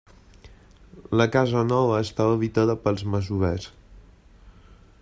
La casa nova estava habitada pels masovers.